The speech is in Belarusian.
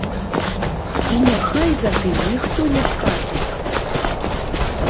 І няхай затым ніхто не скардзіцца.